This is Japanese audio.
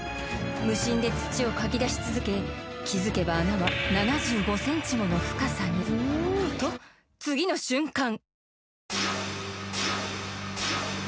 無心で土をかき出し続け気付けば穴は７５センチもの深さに。と次の瞬間！